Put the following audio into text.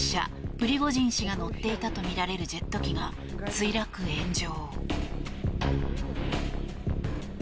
プリゴジン氏が乗っていたとみられるジェット機が墜落・炎上。